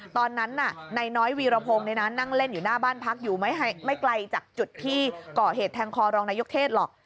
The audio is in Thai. ตอนนั้นน่ะนายน้อยวีรพงศ์นั่งเล่นอยู่หน้าบ้านพักอยู่ไม่ไกลจากจุดที่ก่อเหตุแทงคอรองนายกเทศหรอก